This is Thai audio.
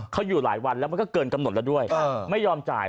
เขาอยู่หลายวันแล้วมันก็เกินกำหนดแล้วด้วยไม่ยอมจ่าย